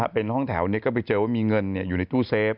เป็นห้องแถวนี้ก็ไปเจอว่ามีเงินอยู่ในตู้เซฟ